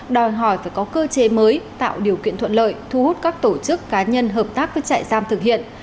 đòi hỏi phải có cơ chế mới tạo điều kiện thuận lợi thu hút các tổ chức cá nhân hợp tác với trại giam thực hiện